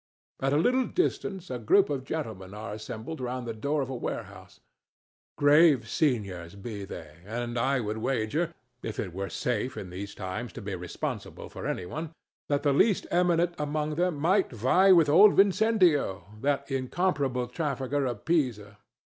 At a little distance a group of gentlemen are assembled round the door of a warehouse. Grave seniors be they, and I would wager—if it were safe, in these times, to be responsible for any one—that the least eminent among them might vie with old Vincentio, that incomparable trafficker of Pisa.